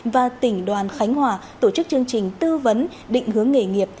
và tỉnh đoàn khánh hòa tổ chức chương trình tư vấn định hướng nghề nghiệp